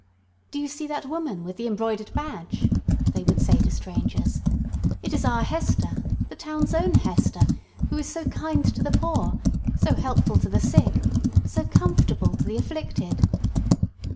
"Do you see that woman with the embroidered badge?" they would say to strangers. "It is our Hester—the town's own Hester—who is so kind to the poor, so helpful to the sick, so comfortable to the afflicted!"